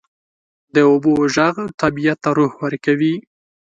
د اوبو ږغ طبیعت ته روح ورکوي.